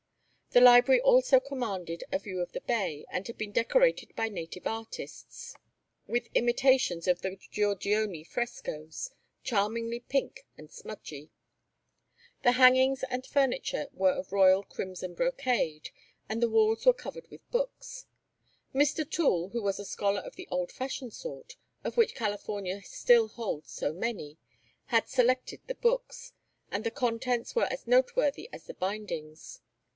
The library also commanded a view of the bay and had been decorated by native artists with imitations of the Giorgione frescoes, charmingly pink and smudgy. The hangings and furniture were of royal crimson brocade, and the walls were covered with books. Mr. Toole, who was a scholar of the old fashioned sort, of which California still holds so many, had selected the books; and the contents were as noteworthy as the bindings.